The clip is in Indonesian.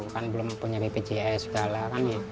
kan belum punya bpjs segala kan